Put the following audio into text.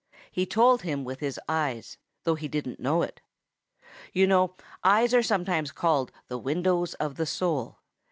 He told him with his eyes, though he didn't know it. You know eyes are sometimes called the windows of the soul.